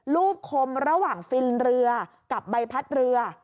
คมระหว่างฟินเรือกับใบพัดเรือ